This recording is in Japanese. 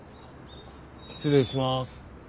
失礼します。